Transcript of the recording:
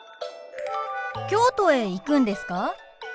京都へ行くんですか？